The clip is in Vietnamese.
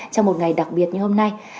trong một ngày đặc biệt như hôm nay